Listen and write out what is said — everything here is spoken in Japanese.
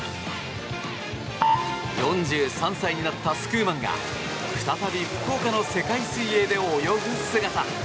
４３歳になったスクーマンが再び福岡の世界水泳で泳ぐ姿。